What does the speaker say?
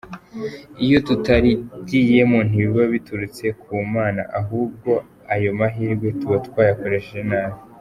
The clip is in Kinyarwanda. Iyo tutarigiyemo, ntibiba biturutse ku Mana, ahubwo ayo mahirwe tuba twayakoresheje nabi.